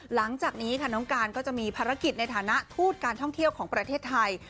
หลังจากนี้ค่ะน้องการก็จะมีภารกิจในฐานะทูตการท่องเที่ยวของประเทศไทย